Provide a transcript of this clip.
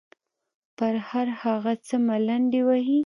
پر هر هغه څه ملنډې وهي.